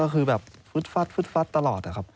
ก็คือแบบฟึดฟัดฟึดฟัดตลอดนะครับ